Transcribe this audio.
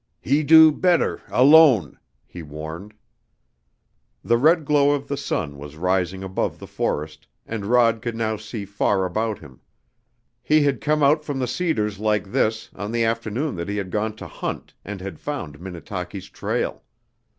"He do better alone," he warned. The red glow of the sun was rising above the forest and Rod could now see far about him. He had come out from the cedars, like this, on the afternoon that he had gone to hunt and had found Minnetaki's trail.